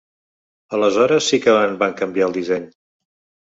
Aleshores sí que en van canviar el disseny.